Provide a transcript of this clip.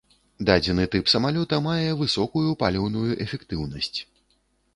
Дадзены тып самалёта мае высокую паліўную эфектыўнасць.